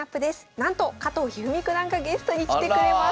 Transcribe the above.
なんと加藤一二三九段がゲストに来てくれます！